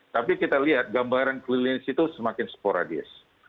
tapi kita lihat gambaran klinis itu semakin sporadis